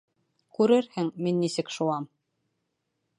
Күрерһең, мин нисек шыуам...